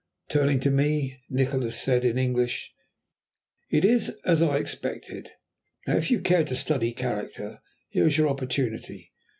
Turning to me, Nikola said in English "It is as I expected. Now, if you care to study character, here is your opportunity.